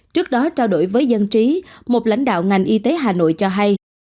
trước đó trao đổi với dân trí một lãnh đạo ngành y tế hà nội cho hay